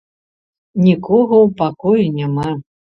Нікога ў пакоі няма.